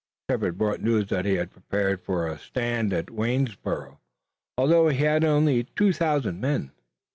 Shepard brought news that he had prepared for a stand at Waynesborough, although he had only two thousand men.